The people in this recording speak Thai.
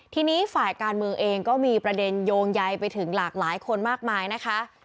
ทีนี้ฝ่ายการเมืองเองก็มีประเด็นโยงใยไปถึงหลากหลายคนมากมายนะคะ